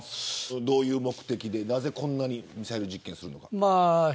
どういう目的でこんなにミサイル実験をするのか。